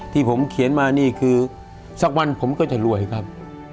ที่ผมเขียนมานี่คือสักวันผมก็จะรวยครับ